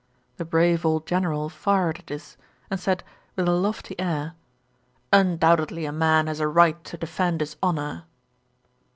The brave old General fired at this, and said, with a lofty air, 'Undoubtedly a man has a right to defend his honour.'